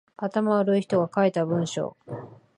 頭悪い人が書いた文章